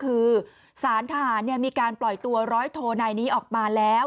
คือสารทหารมีการปล่อยตัวร้อยโทนายนี้ออกมาแล้ว